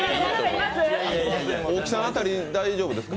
大木さん辺り、大丈夫ですか？